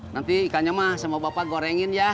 nanti ikannya mah sama bapak gorengin ya